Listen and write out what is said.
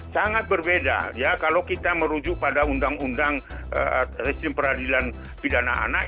sangat berbeda ya kalau kita merujuk pada undang undang resim peradilan pidana anak